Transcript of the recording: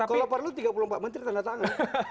kalau perlu tiga puluh empat menteri tanda tangan